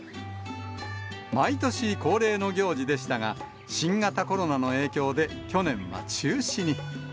毎年恒例の行事でしたが、新型コロナの影響で、去年は中止に。